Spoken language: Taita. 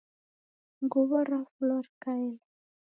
Nguw'o rafulwa rikaela.